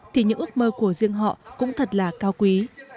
thì những ước mơ của riêng họ cũng thật là cao quý